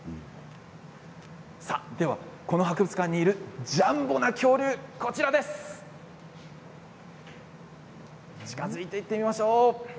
ではこの博物館にいるジャンボな恐竜近づいていってみましょう。